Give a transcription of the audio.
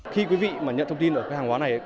khi quý vị nhận thông tin về hàng hóa này